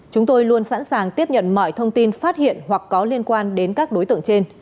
chúng tôi luôn sẵn sàng tiếp nhận mọi thông tin phát hiện hoặc có liên quan đến các đối tượng trên